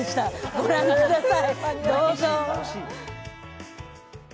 ご覧ください。